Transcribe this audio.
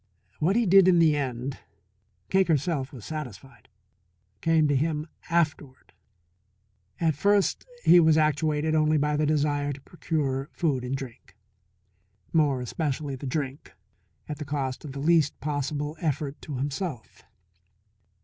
What he did in the end, Cake herself was satisfied came to him afterward. At first he was actuated only by the desire to procure food and drink more especially the drink at the cost of the least possible effort to himself.